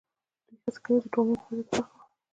دوی هڅه کوي د ټولنې په وده کې برخه واخلي.